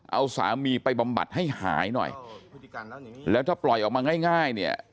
เอาสามีไปบำบัดให้หายหน่อยแล้วถ้าปล่อยออกมาง่ายเนี่ย